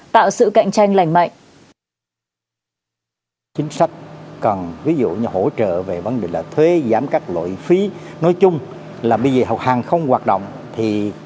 tạo sự cạnh tranh lành mạnh